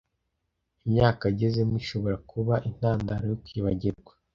imyaka agezemo ishobora kuba intandaro yo kwibagirwa